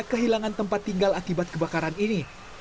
kehilangan tempat tinggal akibat kebakaran ini